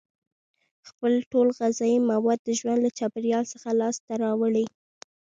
خپل ټول غذایي مواد د ژوند له چاپیریال څخه لاس ته راوړي.